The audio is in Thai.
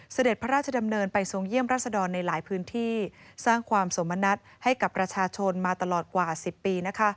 เสด็จพระราชดำเนินไปทรงเยี่ยมรัศดรในหลายพื้นที่สร้างความสมณัฐให้กับประชาชนมาตลอดกว่า๑๐ปี